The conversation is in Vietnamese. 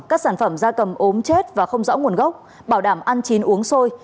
các sản phẩm da cầm ốm chết và không rõ nguồn gốc bảo đảm ăn chín uống sôi